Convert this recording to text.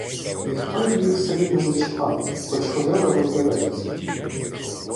Ніхто її в селі не зачіпав, хоч ходила роздивитися.